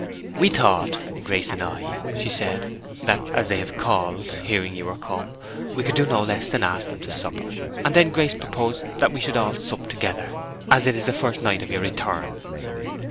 "We thought, Grace and I," she said, "that as they have called, hearing you were come, we could do no less than ask them to supper; and then Grace proposed that we should all sup together, as it is the first night of your return."